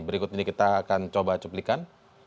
berikut ini kita akan coba cuplikan